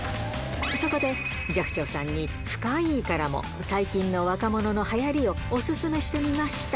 そこで寂聴さんに、深イイからも最近の若者のはやりをお勧めしてみました。